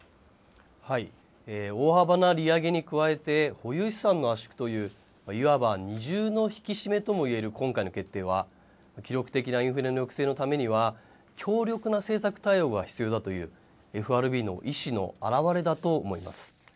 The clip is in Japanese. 大幅な利上げに加えて、保有資産の圧縮という、いわば二重の引き締めともいえる今回の決定は、記録的なインフレの抑制のためには、強力な政策対応が必要だという、ＦＲＢの意思の表れだと思います。